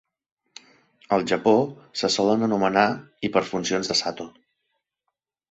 Al Japó, se solen anomenar hiperfuncions de Sato.